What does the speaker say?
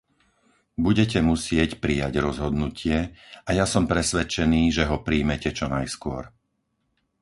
Budete musieť prijať rozhodnutie a ja som presvedčený, že ho prijmete čo najskôr.